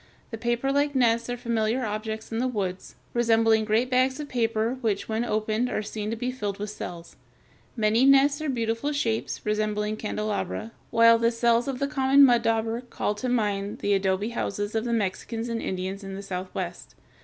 The paperlike nests are familiar objects in the woods, resembling great bags of paper which when opened are seen to be filled with cells. Many nests are of beautiful shapes, resembling candelabra, while the cells of the common mud dauber (Fig. 254) call to mind the adobe houses of the Mexicans and Indians of the Southwest.